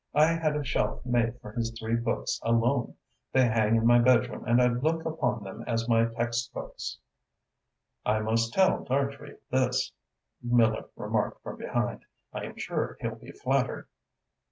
I had a shelf made for his three books alone. They hang in my bedroom and I look upon them as my textbooks." "I must tell Dartrey this," Miller remarked from behind. "I am sure he'll be flattered."